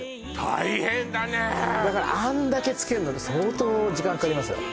大変だねだからあんだけ付けるのに相当時間かかりますよ